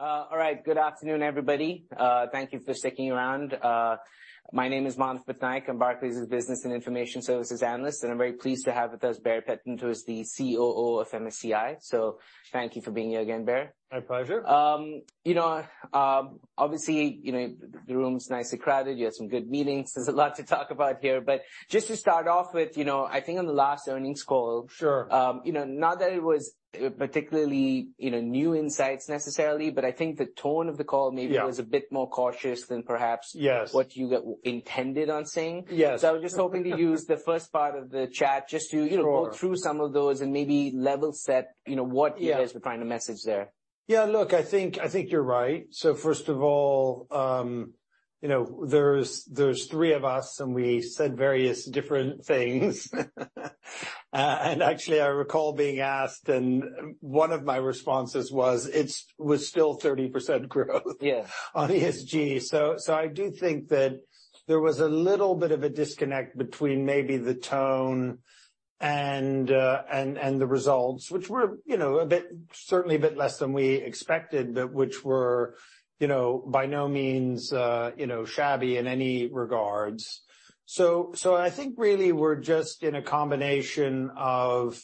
All right. Good afternoon, everybody. Thank you for sticking around. My name is Manav Patnaik. I'm Barclays' Business and Information Services Analyst, and I'm very pleased to have with us Baer Pettit, who is the COO of MSCI. Thank you for being here again, Baer. My pleasure. You know, obviously, you know, the room's nicely crowded. You had some good meetings. There's a lot to talk about here. Just to start off with, you know, I think on the last earnings call. Sure. You know, not that it was particularly, you know, new insights necessarily, but I think the tone of the call was a bit more cautious than perhaps what you intended on saying. I was just hoping to use the first part of the chat just to, you know, go through some of those and maybe level set, you know, what is the kind of message there? Yeah, look, I think you're right. First of all, you know, there's three of us, and we said various different things. Actually, I recall being asked, and one of my responses was still 30% growth on ESG. I do think that there was a little bit of a disconnect between maybe the tone and the results, which were, you know, a bit, certainly a bit less than we expected, but which were, you know, by no means, you know, shabby in any regards. I think really, we're just in a combination of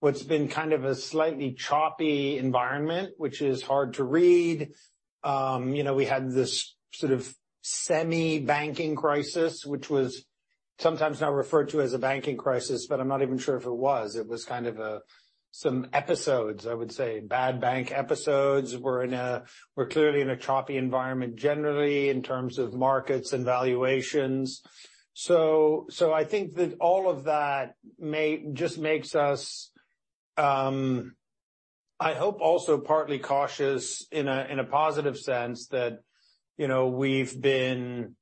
what's been kind of a slightly choppy environment, which is hard to read. You know, we had this sort of semi-banking crisis, which was sometimes now referred to as a banking crisis, but I'm not even sure if it was. It was kind of some episodes, I would say, bad bank episodes. We're clearly in a choppy environment generally in terms of markets and valuations. I think that all of that just makes us, I hope also partly cautious in a, in a positive sense that, you know, we've been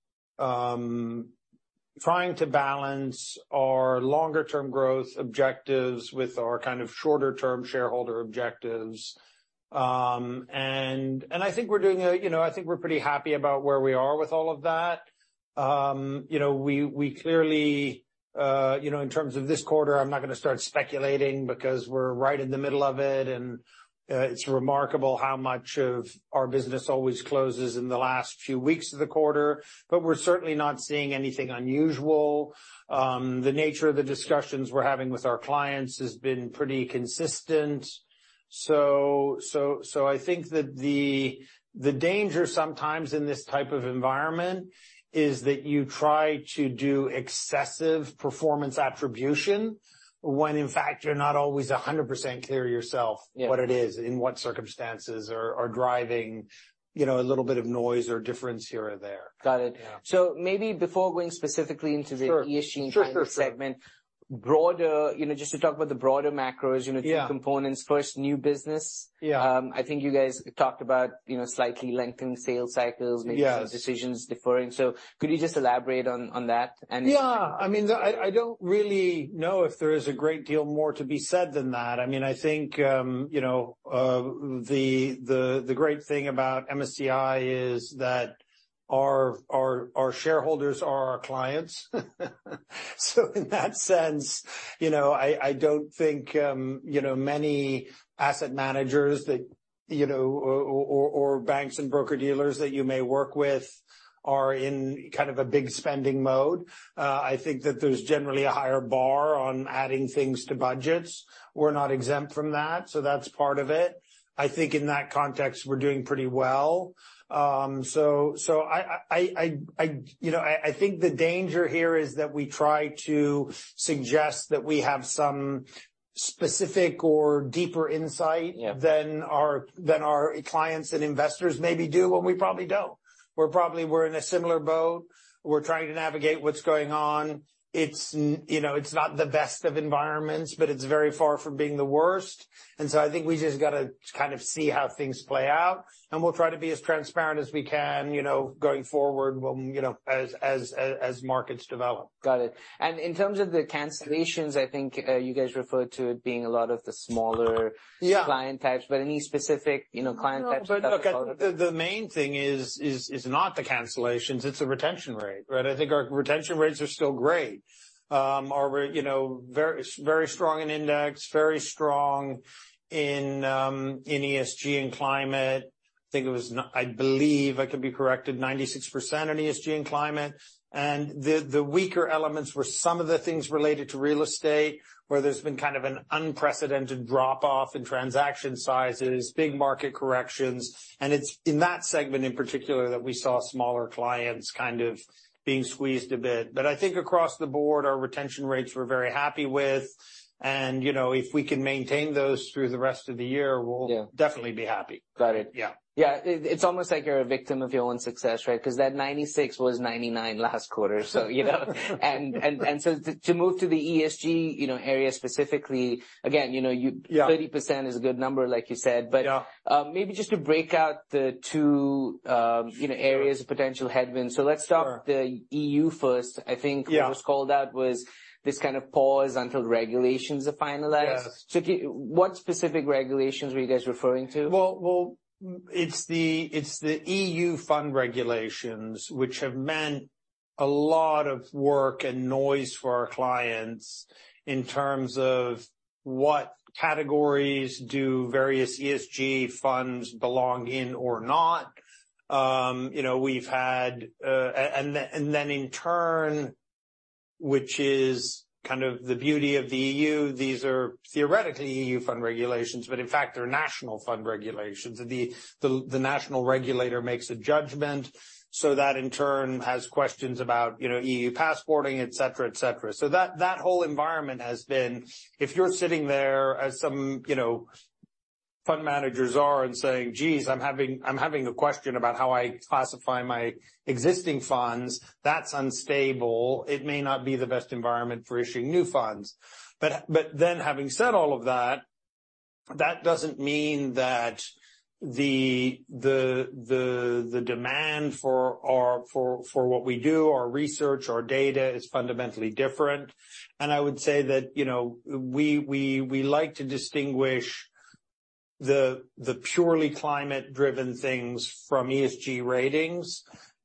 trying to balance our longer-term growth objectives with our kind of shorter-term shareholder objectives. I think we're doing a, you know, I think we're pretty happy about where we are with all of that. You know, we clearly, you know, in terms of this quarter, I'm not gonna start speculating because we're right in the middle of it, and it's remarkable how much of our business always closes in the last few weeks of the quarter. We're certainly not seeing anything unusual. The nature of the discussions we're having with our clients has been pretty consistent. I think that the danger sometimes in this type of environment is that you try to do excessive performance attribution when in fact, you're not always 100% clear yourself. What it is, in what circumstances are driving, you know, a little bit of noise or difference here or there. Got it. Yeah. Maybe before going specifically into ESG segment. Sure, sure. Broader, you know, just to talk about the broader macros, you know, two components. First, new business. I think you guys talked about, you know, slightly lengthened sales cycles, maybe some decisions deferring. Could you just elaborate on that? Yeah. I mean, I don't really know if there is a great deal more to be said than that. I mean, I think, you know, the great thing about MSCI is that our shareholders are our clients. In that sense, you know, I don't think, you know, many asset managers that you know, or banks and broker-dealers that you may work with are in kind of a big spending mode. I think that there's generally a higher bar on adding things to budgets. We're not exempt from that. That's part of it. I think in that context, we're doing pretty well. I, you know, I think the danger here is that we try to suggest that we have some specific or deeper insight than our clients and investors maybe do, and we probably don't. We're in a similar boat. We're trying to navigate what's going on. It's, you know, it's not the best of environments, but it's very far from being the worst. I think we just gotta kind of see how things play out, and we'll try to be as transparent as we can, you know, going forward, you know, as markets develop. Got it. In terms of the cancellations, I think, you guys referred to it being a lot of the smaller client types, but any specific, you know, client types- Look, the main thing is, is not the cancellations, it's the retention rate, right? I think our retention rates are still great. Our, you know, very, very strong in index, very strong in ESG and climate. I think it was I believe I could be corrected, 96% on ESG and climate. The, the weaker elements were some of the things related to real estate, where there's been kind of an unprecedented drop off in transaction sizes, big market corrections. It's in that segment in particular that we saw smaller clients kind of being squeezed a bit. I think across the board, our retention rates we're very happy with. You know, if we can maintain those through the rest of the year we'll definitely be happy. Got it. Yeah. Yeah. It, it's almost like you're a victim of your own success, right? Because that 96 was 99 last quarter, so, you know. So, to move to the ESG, you know, area specifically, again, you know, 30% is a good number, like you said. Maybe just to break out the two, you know, areas of potential headwind. Let's start with the EU first. I think what was called out was this kind of pause until regulations are finalized. What specific regulations were you guys referring to? Well, it's the EU fund regulations, which have meant a lot of work and noise for our clients in terms of what categories do various ESG funds belong in or not. You know, we've had. In turn, which is kind of the beauty of the EU, these are theoretically EU fund regulations, but in fact, they're national fund regulations, and the national regulator makes a judgment. That in turn has questions about, you know, EU passporting, et cetera, et cetera. That whole environment has been. If you're sitting there as some, you know, fund managers are and saying, "Geez, I'm having a question about how I classify my existing funds," that's unstable. It may not be the best environment for issuing new funds. Having said all of that doesn't mean that the demand for what we do, our research, our data is fundamentally different. I would say that, you know, we like to distinguish the purely climate-driven things from ESG ratings.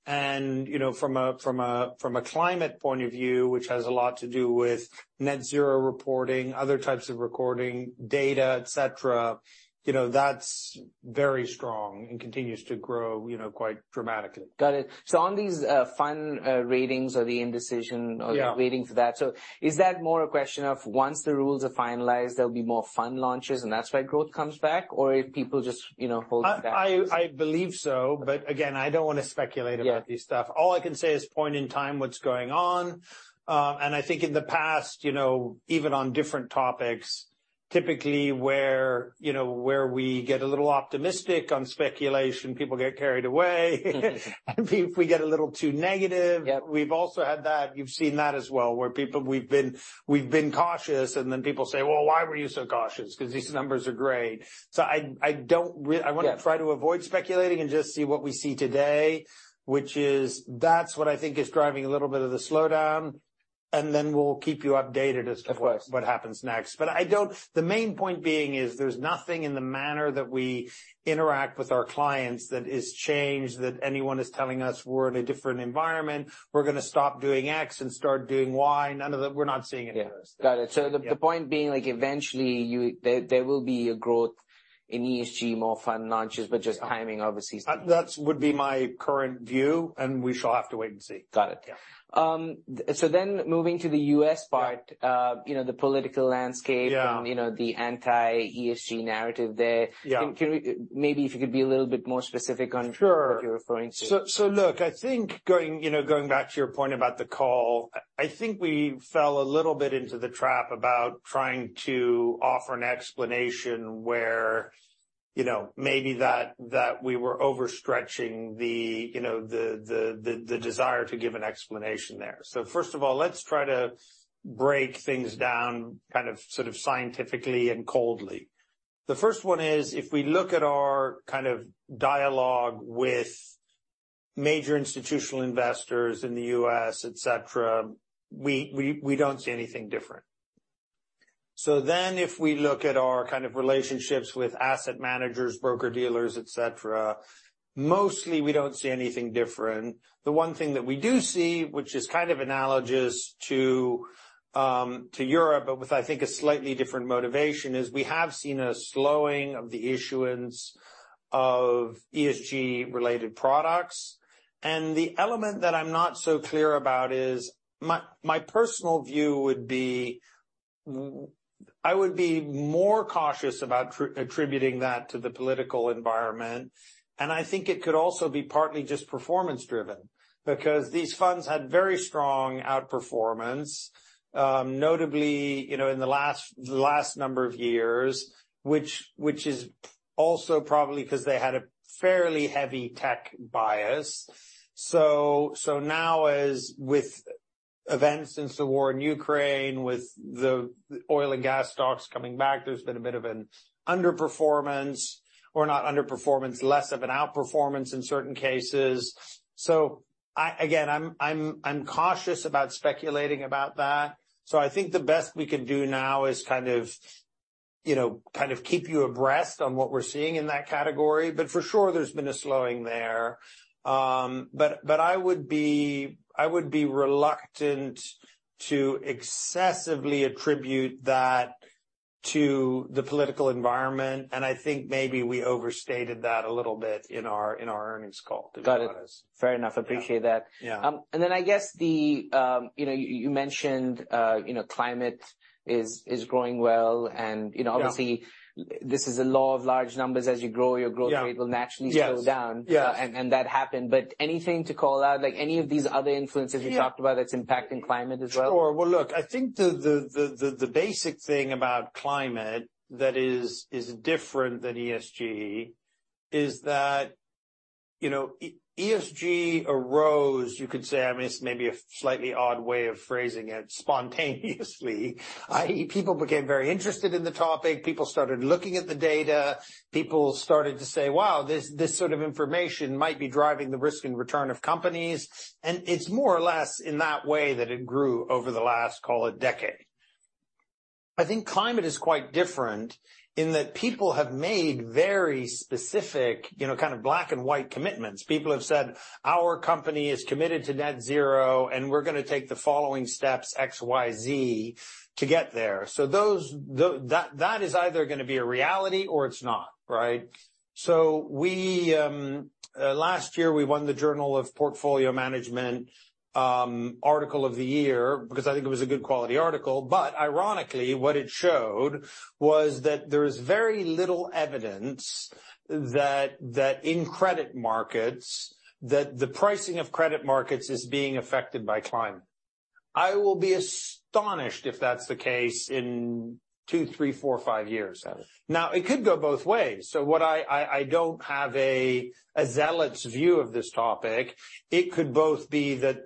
You know, from a climate point of view, which has a lot to do with net zero reporting, other types of recording, data, et cetera, you know, that's very strong and continues to grow, you know, quite dramatically. Got it. On these, fund, ratings or the indecision. The waiting for that. Is that more a question of once the rules are finalized, there'll be more fund launches, and that's why growth comes back or if people just, you know, hold back? I believe so, again, I don't want to speculate about this stuff. All I can say is point in time what's going on. I think in the past, you know, even on different topics, typically where, you know, where we get a little optimistic on speculation, people get carried away. If we get a little too negative. We've also had that. You've seen that as well, where people... We've been cautious, people say, "Well, why were you so cautious? 'Cause these numbers are great." I don't. I wanna try to avoid speculating and just see what we see today, which is that's what I think is driving a little bit of the slowdown, and then we'll keep you updated what happens next. The main point being is there's nothing in the manner that we interact with our clients that is changed, that anyone is telling us we're in a different environment, we're gonna stop doing X and start doing Y. None of that. We're not seeing any of those things. Yeah. Got it. Yeah. The point being, like, eventually there will be a growth in ESG more fund launches, but just timing obviously is the key. That would be my current view. We shall have to wait and see. Got it. Yeah. Moving to the U.S. part. You know, the political landscape, you know, the anti-ESG narrative there. Can we... Maybe if you could be a little bit more specific on what you're referring to? Look, I think going, you know, going back to your point about the call, I think we fell a little bit into the trap about trying to offer an explanation where, you know, maybe that we were overstretching the, you know, the desire to give an explanation there. First of all, let's try to break things down kind of, sort of scientifically and coldly. The first one is, if we look at our kind of dialogue with major institutional investors in the U.S., et cetera, we don't see anything different. If we look at our kind of relationships with asset managers, broker-dealers, et cetera, mostly we don't see anything different. The one thing that we do see, which is kind of analogous to Europe, but with, I think, a slightly different motivation, is we have seen a slowing of the issuance of ESG-related products. The element that I'm not so clear about is my personal view would be I would be more cautious about attributing that to the political environment, and I think it could also be partly just performance driven. These funds had very strong outperformance, notably, you know, in the last number of years, which is also probably 'cause they had a fairly heavy tech bias. Now as with events since the war in Ukraine, with the oil and gas stocks coming back, there's been a bit of an underperformance or not underperformance, less of an outperformance in certain cases. Again, I'm cautious about speculating about that. I think the best we can do now is kind of, you know, keep you abreast on what we're seeing in that category. For sure there's been a slowing there. But I would be reluctant to excessively attribute that to the political environment, and I think maybe we overstated that a little bit in our earnings call to be honest. Got it. Fair enough. Yeah. Appreciate that. Yeah. I guess the, you know, you mentioned, you know, climate is growing well and, you know, obviously this is a law of large numbers. As you grow, your growth rate will naturally slow down. That happened. Anything to call out, like any of these other influences you talked about that's impacting climate as well? Sure. Well, look, I think the basic thing about climate that is different than ESG is that, you know, ESG arose, you could say, I mean, it's maybe a slightly odd way of phrasing it, spontaneously, i.e., people became very interested in the topic. People started looking at the data. People started to say, "Wow, this sort of information might be driving the risk and return of companies." It's more or less in that way that it grew over the last, call it, decade. I think climate is quite different in that people have made very specific, you know, kind of black-and-white commitments. People have said, "Our company is committed to net zero, and we're gonna take the following steps, X, Y, Z to get there." That is either gonna be a reality or it's not, right? We last year, we won the Journal of Portfolio Management Article of the Year because I think it was a good quality article. Ironically, what it showed was that there is very little evidence that in credit markets, that the pricing of credit markets is being affected by climate. I will be astonished if that's the case in two, three, four, five years. Got it. It could go both ways. What I don't have a zealot's view of this topic. It could both be that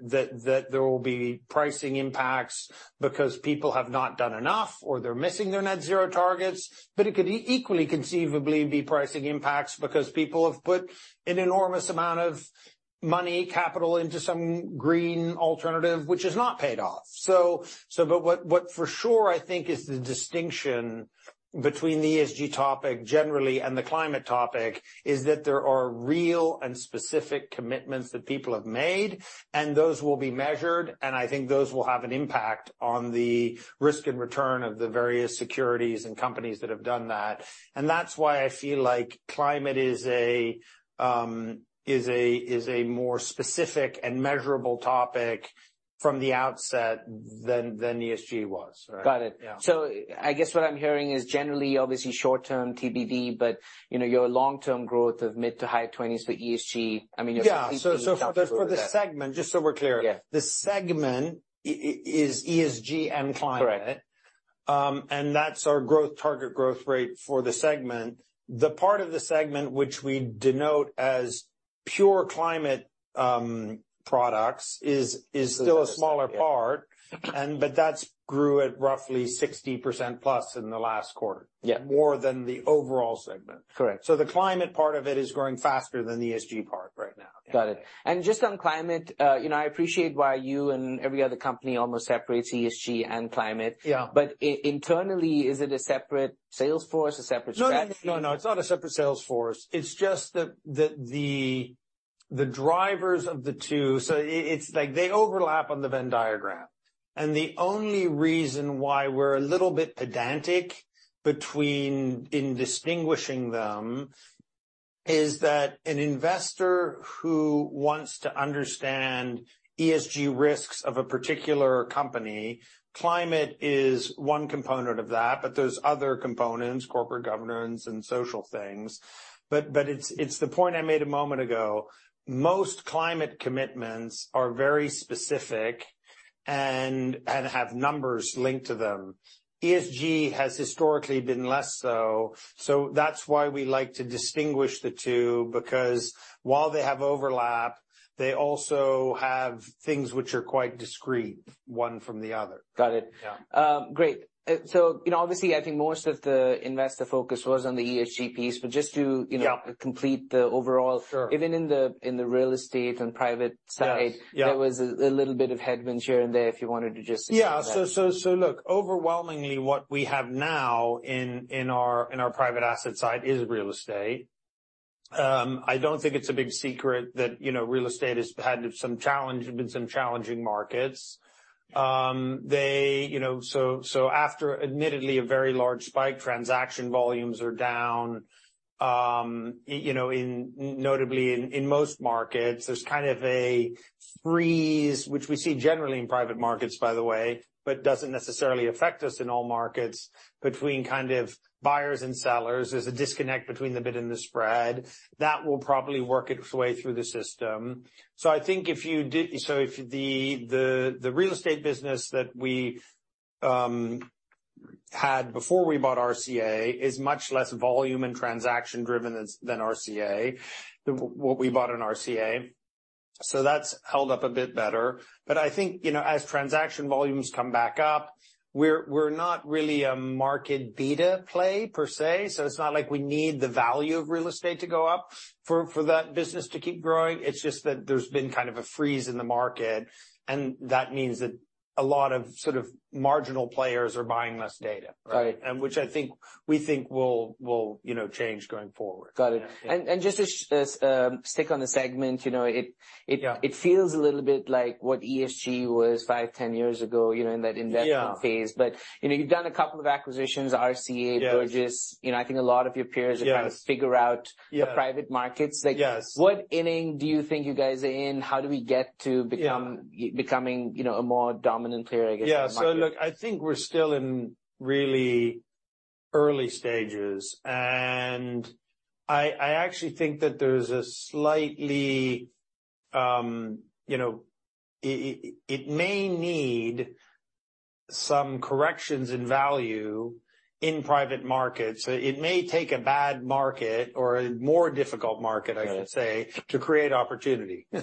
there will be pricing impacts because people have not done enough or they're missing their net zero targets, but it could equally conceivably be pricing impacts because people have put an enormous amount of money, capital into some green alternative which has not paid off. But what for sure I think is the distinction between the ESG topic generally and the climate topic is that there are real and specific commitments that people have made, and those will be measured, and I think those will have an impact on the risk and return of the various securities and companies that have done that. That's why I feel like climate is a more specific and measurable topic from the outset than ESG was. Right? Got it. Yeah. I guess what I'm hearing is generally, obviously short-term TBD, but, you know, your long-term growth of mid to high twenties for ESG, I mean, you're completely comfortable with that. For the segment, just so we're clear. Yeah. The segment is ESG and climate. Correct. That's our growth, target growth rate for the segment. The part of the segment which we denote as pure climate products is still a smaller part. But that's grew at roughly 60%+ in the last quarter. More than the overall segment. Correct. The climate part of it is growing faster than the ESG part right now. Yeah. Got it. Just on climate, you know, I appreciate why you and every other company almost separates ESG and climate. Internally, is it a separate sales force, a separate strategy? No, no, it's not a separate sales force. It's just that the drivers of the two... It's like they overlap on the Venn diagram, and the only reason why we're a little bit pedantic between, in distinguishing them is that an investor who wants to understand ESG risks of a particular company, climate is one component of that, but there's other components, corporate governance and social things. It's the point I made a moment ago. Most climate commitments are very specific and have numbers linked to them. ESG has historically been less so. That's why we like to distinguish the two, because while they have overlap, they also have things which are quite discreet, one from the other. Got it. Yeah. Great. You know, obviously, I think most of the investor focus was on the ESG piece, but just to, you know, complete the overall. Even in the real estate and private side there was a little bit of headwinds here and there if you wanted to just expand on that? Look, overwhelmingly, what we have now in our private asset side is real estate. I don't think it's a big secret that, you know, real estate has had some challenge, been some challenging markets. They, you know. After admittedly a very large spike, transaction volumes are down. You know, in notably in most markets, there's kind of a freeze, which we see generally in private markets, by the way, but doesn't necessarily affect us in all markets, between kind of buyers and sellers. There's a disconnect between the bid and the spread. That will probably work its way through the system. If the real estate business that we had before we bought RCA is much less volume and transaction driven as, than RCA, what we bought in RCA. That's held up a bit better. I think, you know, as transaction volumes come back up, we're not really a market beta play per se, so it's not like we need the value of real estate to go up for that business to keep growing. It's just that there's been kind of a freeze in the market, and that means that a lot of sort of marginal players are buying less data, right? Got it. Which I think, we think will, you know, change going forward. Got it. Yeah. Just to stick on the segment, you know, it. It feels a little bit like what ESG was five, 10 years ago, you know, in that investment phase, you know, you've done a couple of acquisitions, RCA, Burgiss. You know, I think a lot of your peers are trying to figure out the private markets. Like, what inning do you think you guys are in? How do we get to become, becoming, you know, a more dominant player, I guess, in the market? Yeah. Look, I think we're still in really early stages and I actually think that there's a slightly, you know... It may need some corrections in value in private markets. It may take a bad market or a more difficult market; I should say to create opportunity. I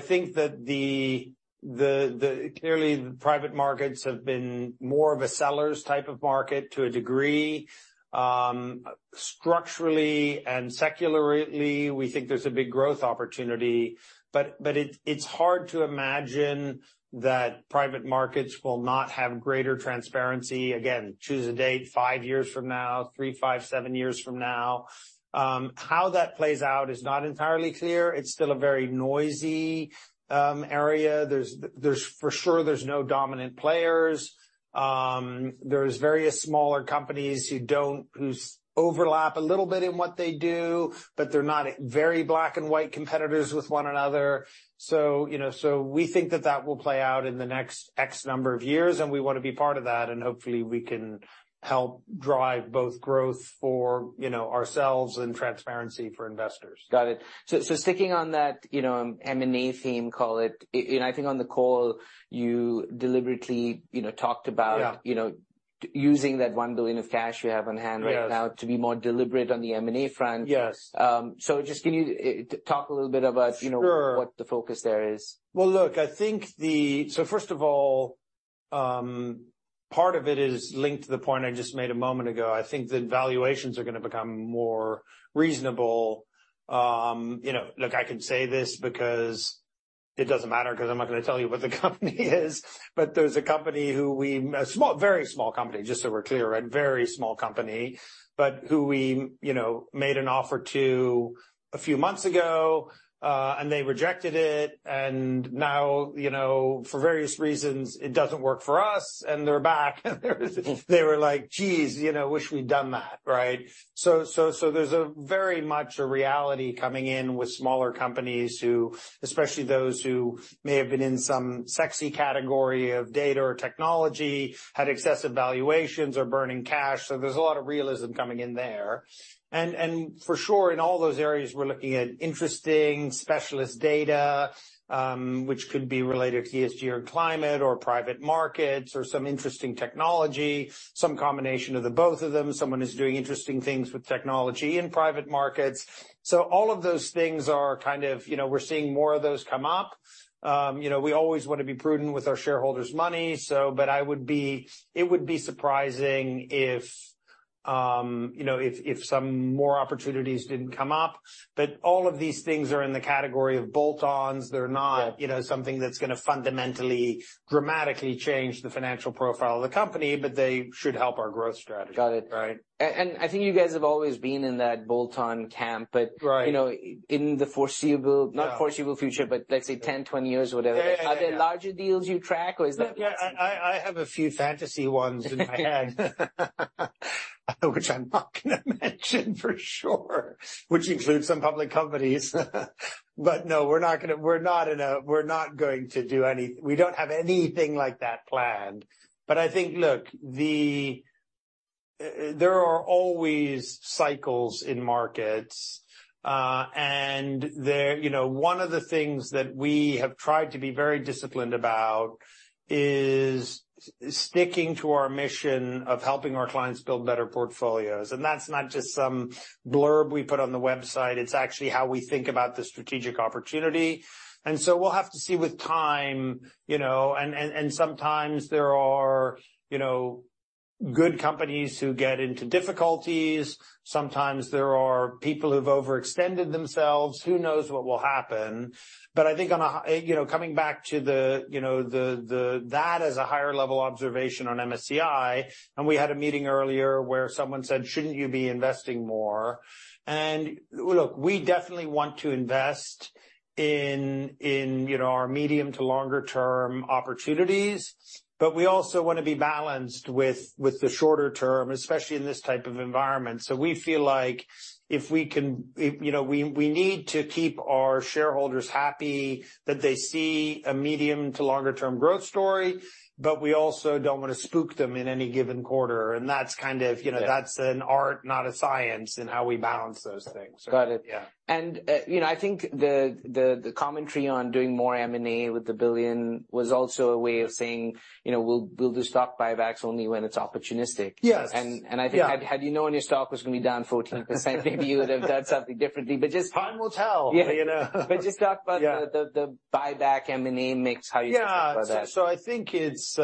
think that clearly the private markets have been more of a seller's type of market to a degree. Structurally and secularly, we think there's a big growth opportunity, but it's hard to imagine that private markets will not have greater transparency. Again, choose a date, five years from now, three, five, seven years from now. How that plays out is not entirely clear. It's still a very noisy area. There's for sure there's no dominant players. There's various smaller companies whose overlap a little bit in what they do, but they're not very black-and-white competitors with one another. You know, so we think that that will play out in the next X number of years, and we wanna be part of that, and hopefully we can help drive both growth for, you know, ourselves and transparency for investors. Got it. So, sticking on that, you know, M&A theme, call it. I think on the call you deliberately, you know, talked about, you know, using that $1 billion of cash you have on hand right now to be more deliberate on the M&A front. Just can you talk a little bit about, you know, what the focus there is? Well, look, I think first of all, part of it is linked to the point I just made a moment ago. I think that valuations are gonna become more reasonable. You know. Look, I can say this because it doesn't matter, 'cause I'm not gonna tell you what the company is. There's a company. A small, very small company, just so we're clear, right? Very small company. Who we, you know, made an offer to a few months ago, and they rejected it. Now, you know, for various reasons it doesn't work for us, and they're back, and they were like, "Geez, you know, wish we'd done that." Right? There's a very much a reality coming in with smaller companies who, especially those who may have been in some sexy category of data or technology, had excessive valuations or burning cash. There's a lot of realism coming in there. For sure in all those areas we're looking at interesting specialist data, which could be related to ESG or climate or private markets or some interesting technology, some combination of the both of them, someone who's doing interesting things with technology in private markets. All of those things are kind of, you know, we're seeing more of those come up. You know, we always wanna be prudent with our shareholders' money. It would be surprising if, you know, if some more opportunities didn't come up. All of these things are in the category of bolt-ons. They're not, you know, something that's gonna fundamentally, dramatically change the financial profile of the company, but they should help our growth strategy. Got it. Right. I think you guys have always been in that bolt-on camp, you know, in the foreseeable, not foreseeable future, but let's say 10, 20 years, whatever. Are there larger deals you track or is that? No. I have a few fantasy ones in my head. Which I'm not gonna mention for sure. Which includes some public companies. No, we're not gonna. We don't have anything like that planned. I think, look, there are always cycles in markets, and there, you know, one of the things that we have tried to be very disciplined about is sticking to our mission of helping our clients build better portfolios. That's not just some blurb we put on the website, it's actually how we think about the strategic opportunity. We'll have to see with time, you know. Sometimes there are, you know, good companies who get into difficulties. Sometimes there are people who've overextended themselves. Who knows what will happen. I think on a, you know, coming back to the, you know, that as a higher-level observation on MSCI, and we had a meeting earlier where someone said, "Shouldn't you be investing more?" Look, we definitely want to invest in, you know, our medium to longer term opportunities, but we also wanna be balanced with the shorter term, especially in this type of environment. We feel like, you know, we need to keep our shareholders happy, that they see a medium to longer term growth story, but we also don't wanna spook them in any given quarter. That's kind of, you know, that's an art, not a science in how we balance those things. Got it. Yeah. You know, I think the commentary on doing more M&A with the billion was also a way of saying, you know, we'll do stock buybacks only when it's opportunistic. And, and I think, had you known your stock was gonna be down 14%? Maybe you would have done something differently, but just- Time will tell. You know. Just talk about the buyback M&A mix, how you think about that. So, I think it's.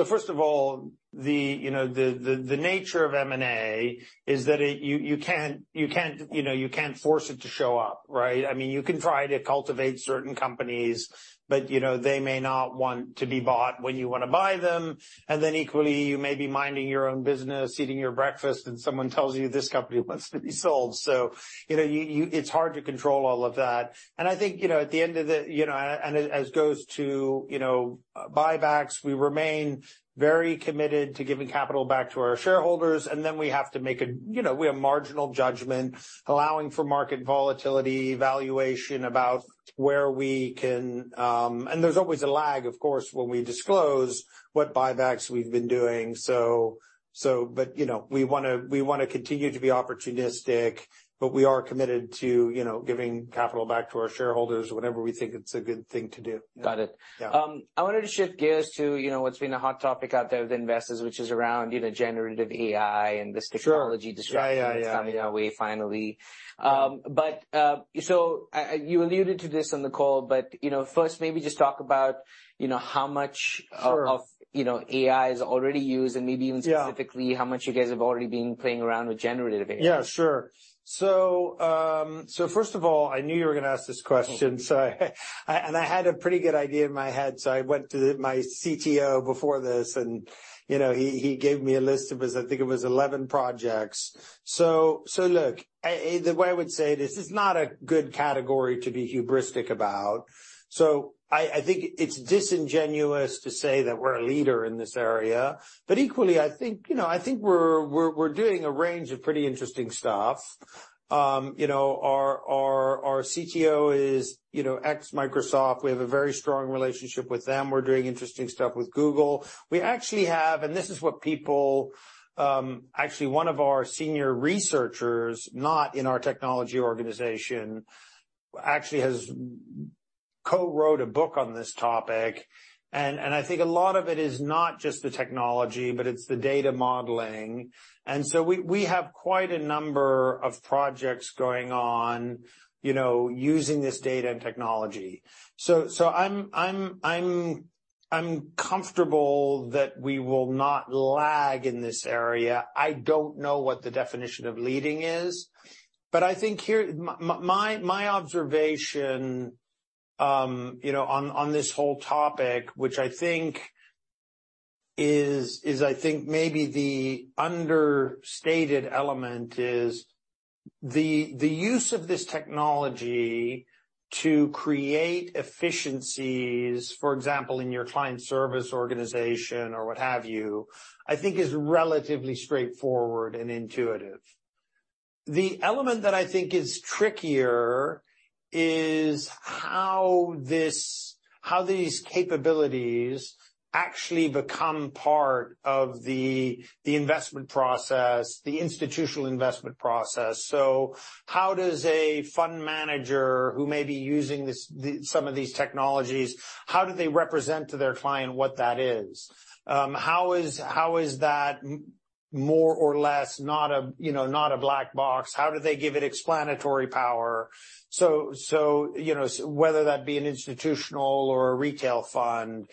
First of all, the, you know, the nature of M&A is that you can't, you know, you can't force it to show up, right? I mean, you can try to cultivate certain companies, but, you know, they may not want to be bought when you wanna buy them. Equally, you may be minding your own business, eating your breakfast, and someone tells you this company wants to be sold. You know, you it's hard to control all of that. I think, you know, at the end of the. You know, as goes to, you know, buybacks, we remain very committed to giving capital back to our shareholders, and then we have to make a. You know, we have marginal judgment, allowing for market volatility, valuation about where we can. There's always a lag, of course, when we disclose what buybacks we've been doing. You know, we wanna continue to be opportunistic, but we are committed to, you know, giving capital back to our shareholders whenever we think it's a good thing to do. Got it. Yeah. I wanted to shift gears to, you know, what's been a hot topic out there with investors, which is around, you know, generative AI, technology disruption. That's coming our way finally. You alluded to this on the call, but, you know, first maybe just talk about, you know, how much of, you know, AI is already used, and maybe even specifically, how much you guys have already been playing around with generative AI? Yeah, sure. First of all, I knew you were gonna ask this question. I had a pretty good idea in my head, so I went to my CTO before this, and, you know, he gave me a list of his, I think it was 11 projects. Look, the way I would say it's not a good category to be hubristic about. I think it's disingenuous to say that we're a leader in this area. Equally, I think, you know, I think we're doing a range of pretty interesting stuff. You know, our CTO is, you know, ex-Microsoft. We have a very strong relationship with them. We're doing interesting stuff with Google. We actually have, and this is what people. Actually one of our senior researchers, not in our technology organization, actually has co-wrote a book on this topic. I think a lot of it is not just the technology, but it's the data modeling. We have quite a number of projects going on, you know, using this data and technology. I'm comfortable that we will not lag in this area. I don't know what the definition of leading is. I think here, my observation, you know, on this whole topic, which I think is I think maybe the understated element is the use of this technology to create efficiencies, for example, in your client service organization or what have you, I think is relatively straightforward and intuitive. The element that I think is trickier is how these capabilities actually become part of the investment process, the institutional investment process. How does a fund manager who may be using this, some of these technologies, how do they represent to their client what that is? How is that more or less not a, you know, not a black box? How do they give it explanatory power? Whether that be an institutional or a retail fund.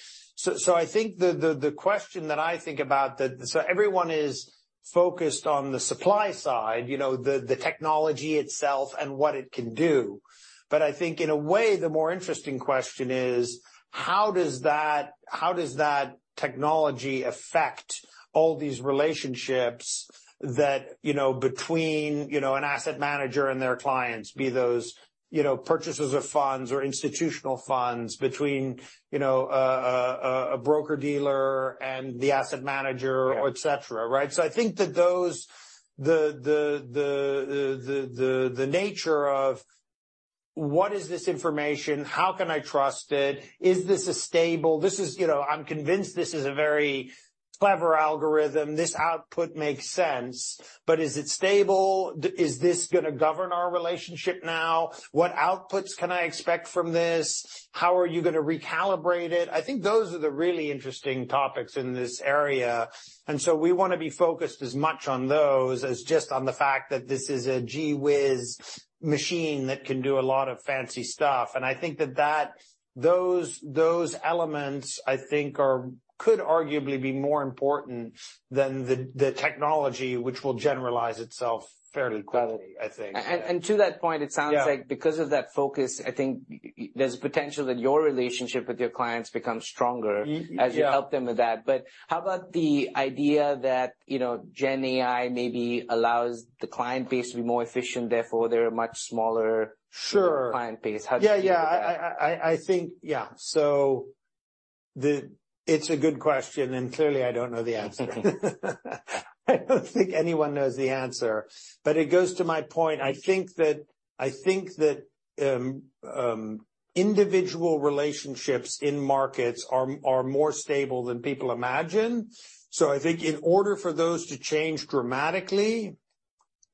I think the question that I think about that everyone is focused on the supply side, you know, the technology itself and what it can do. I think in a way, the more interesting question is: how does that technology affect all these relationships that, you know, between, you know, an asset manager and their clients, be those, you know, purchasers of funds or institutional funds between, you know, a broker-dealer and the asset manager or et cetera, right? I think that those, the nature of what is this information? How can I trust it? Is this a stable... This is, you know, I'm convinced this is a very clever algorithm. This output makes sense, but is it stable? Is this gonna govern our relationship now? What outputs can I expect from this? How are you gonna recalibrate it? I think those are the really interesting topics in this area. We wanna be focused as much on those as just on the fact that this is a gee-whiz machine that can do a lot of fancy stuff. I think that those elements, I think are could arguably be more important than the technology which will generalize itself fairly quickly. I think. Yeah. To that point, it sounds like, because of that focus, I think there's a potential that your relationship with your clients becomes stronger as you help them with that. How about the idea that, you know, gen AI maybe allows the client base to be more efficient, therefore they're a much smaller client base. How do you see that? Yeah, yeah. I think, yeah. It's a good question, and clearly I don't know the answer. I don't think anyone knows the answer. It goes to my point. I think that, individual relationships in markets are more stable than people imagine. I think in order for those to change dramatically.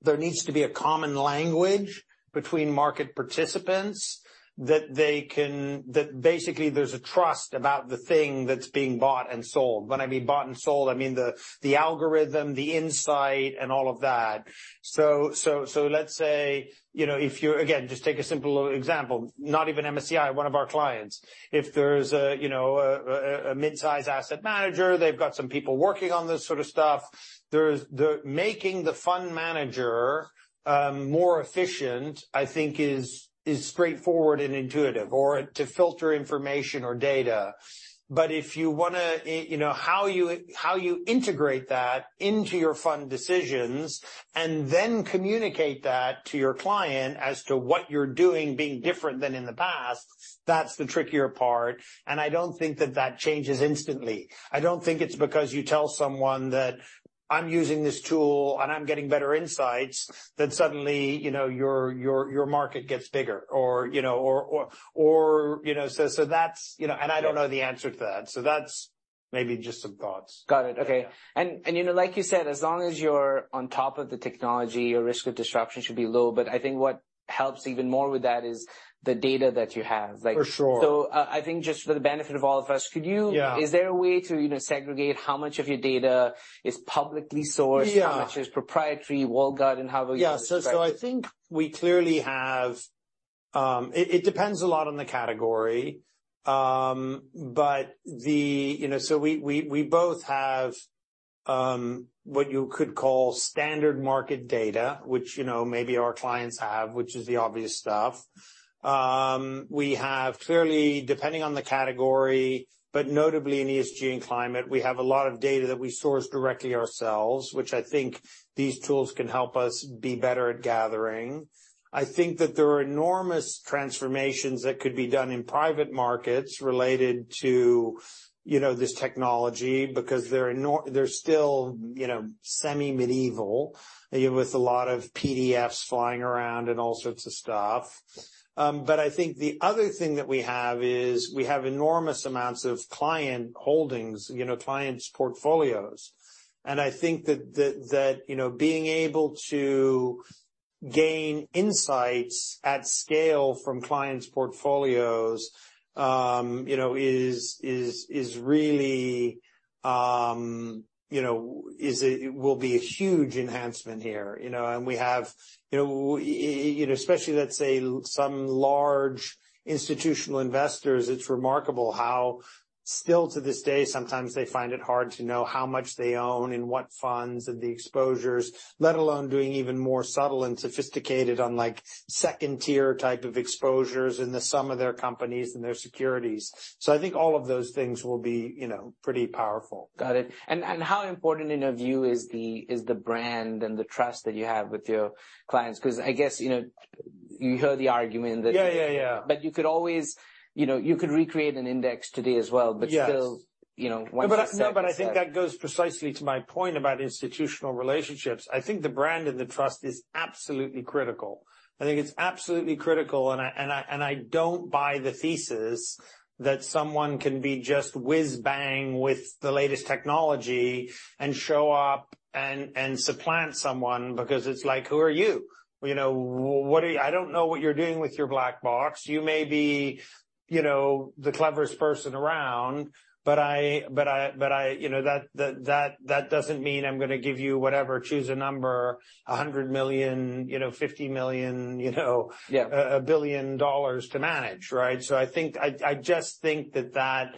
There needs to be a common language between market participants that basically there's a trust about the thing that's being bought and sold. When I mean bought and sold, I mean the algorithm, the insight and all of that. Let's say, you know, again, just take a simple example, not even MSCI, one of our clients. If there's a, you know, a mid-size asset manager, they've got some people working on this sort of stuff. There's making the fund manager more efficient, I think is straightforward and intuitive, or to filter information or data. If you wanna, you know, how you, how you integrate that into your fund decisions and then communicate that to your client as to what you're doing being different than in the past, that's the trickier part. I don't think that that changes instantly. I don't think it's because you tell someone that I'm using this tool, and I'm getting better insights, that suddenly, you know, your market gets bigger or, you know, or, you know. That's, you know... I don't know the answer to that. That's maybe just some thoughts. Got it. Okay. You know, like you said, as long as you're on top of the technology, your risk of disruption should be low. I think what helps even more with that is the data that you have. Like. For sure. I think just for the benefit of all of us, could you, is there a way to, you know, segregate how much of your data is publicly sourced? How much is proprietary, well-guarded, and how will you- Yeah. I think we clearly have. It depends a lot on the category. You know, we both have what you could call standard market data, which, you know, maybe our clients have, which is the obvious stuff. We have clearly, depending on the category, but notably in ESG and climate, we have a lot of data that we source directly ourselves, which I think these tools can help us be better at gathering. I think that there are enormous transformations that could be done in private markets related to, you know, this technology because they're still, you know, semi-medieval, you know, with a lot of PDFs flying around and all sorts of stuff. I think the other thing that we have is we have enormous amounts of client holdings, you know, clients' portfolios. I think that, you know, being able to gain insights at scale from clients' portfolios, you know, is really, you know, will be a huge enhancement here, you know. We have, you know, especially, let's say, some large institutional investors, it's remarkable how still to this day, sometimes they find it hard to know how much they own and what funds and the exposures, let alone doing even more subtle and sophisticated on, like, second-tier type of exposures in the sum of their companies and their securities. I think all of those things will be, you know, pretty powerful. Got it. How important in your view is the brand and the trust that you have with your clients? Because I guess, you know, you hear the argument that you could always, you know, you could recreate an index today as well. Still, you know, once it's set, it's set. No, but I think that goes precisely to my point about institutional relationships. I think the brand and the trust is absolutely critical. I think it's absolutely critical, and I don't buy the thesis that someone can be just whiz-bang with the latest technology and show up and supplant someone because it's like, "Who are you?" You know, I don't know what you're doing with your black box. You may be, you know, the cleverest person around, but I... You know, that doesn't mean I'm gonna give you whatever, choose a number, $100 million, you know, $50 million, you know, $1 billion to manage, right? I just think that.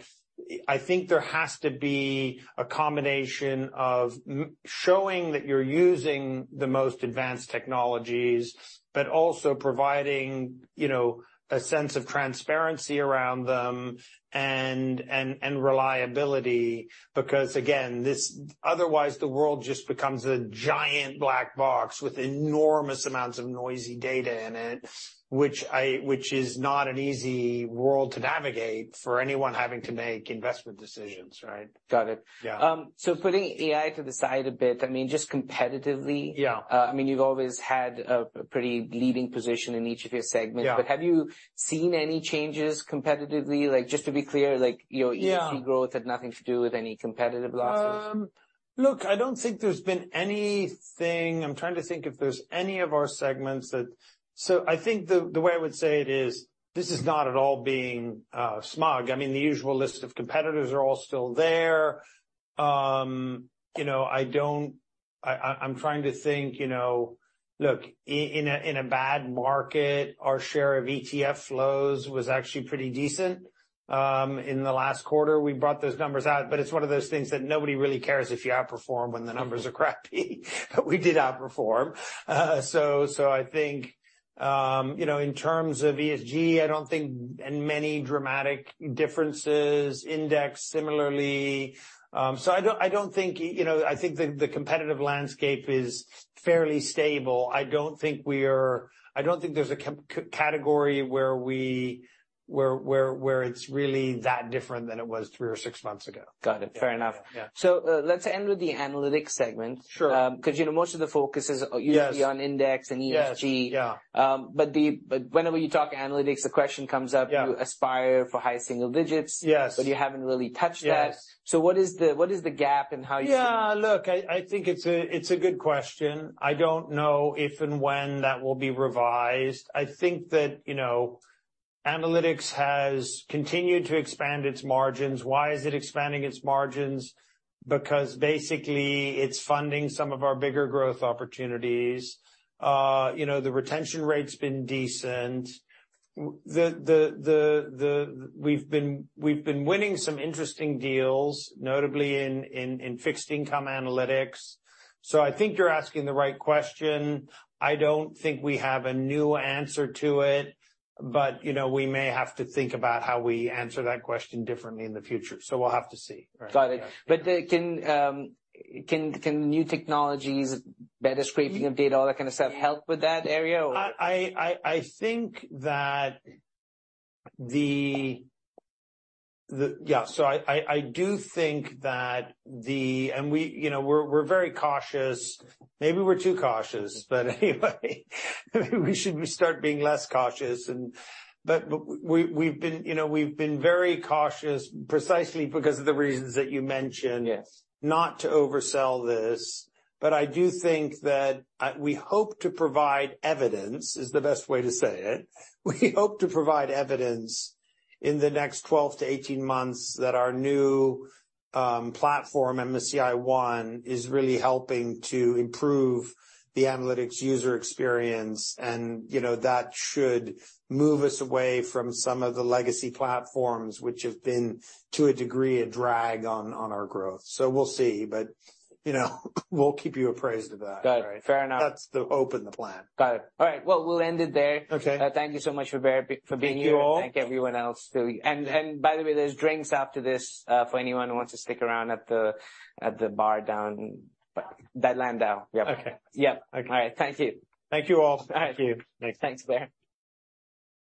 I think there has to be a combination of showing that you're using the most advanced technologies, but also providing, you know, a sense of transparency around them and reliability. Again, otherwise the world just becomes a giant black box with enormous amounts of noisy data in it, which is not an easy world to navigate for anyone having to make investment decisions, right? Got it. Yeah. Putting AI to the side a bit, I mean, just competitively. I mean, you've always had a pretty leading position in each of your segments. Have you seen any changes competitively? Like, just to be clear, like, your ESG growth had nothing to do with any competitive losses. Look, I don't think there's been anything. I'm trying to think if there's any of our segments that. I think the way I would say it is, this is not at all being smug. I mean, the usual list of competitors are all still there. You know, I don't. I'm trying to think, you know. Look, in a bad market, our share of ETF flows was actually pretty decent. In the last quarter, we brought those numbers out, but it's one of those things that nobody really cares if you outperform when the numbers are crappy. We did outperform. I think, you know, in terms of ESG, I don't think. Many dramatic differences, index similarly. I don't think. You know, I think the competitive landscape is fairly stable. I don't think there's a category where we, where it's really that different than it was three or six months ago. Got it. Fair enough. Let's end with the analytics segment. 'Cause, you know, most of the focus is usually on index and ESG. Whenever you talk analytics, the question comes up you aspire for high single digits. You haven't really touched that. What is the gap and how you- Yeah. Look, I think it's a good question. I don't know if and when that will be revised. I think that, you know, Analytics has continued to expand its margins. Why is it expanding its margins? Because basically, it's funding some of our bigger growth opportunities. You know, the retention rate's been decent. We've been winning some interesting deals, notably in fixed income analytics. I think you're asking the right question. I don't think we have a new answer to it, you know, we may have to think about how we answer that question differently in the future. We'll have to see. Got it. Can new technologies, better scraping of data, all that kind of stuff, help with that area, or? I think that the. I do think that the. We, you know, we're very cautious. Maybe we're too cautious. Maybe we should start being less cautious. We've been, you know, we've been very cautious precisely because of the reasons that you mentioned. Not to oversell this, I do think that, we hope to provide evidence, is the best way to say it. We hope to provide evidence in the next 12 to 18 months that our new platform, MSCI One, is really helping to improve the analytics user experience, you know, that should move us away from some of the legacy platforms which have been, to a degree, a drag on our growth. We'll see. You know, we'll keep you appraised of that. Got it. Fair enough. That's the hope and the plan. Got it. All right. We'll end it there. Okay. Thank you so much, Baer, for being here. Thank you all. Thank everyone else too. By the way, there's drinks after this for anyone who wants to stick around at the bar down. That land down. Yep. Okay. Yep. Okay. All right. Thank you. Thank you all. All right. Thank you. Thanks. Thanks, Baer.